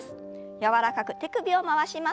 柔らかく手首を回します。